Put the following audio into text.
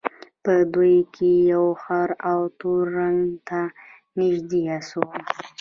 په دوی کې یو خړ او تور رنګ ته نژدې اس وو.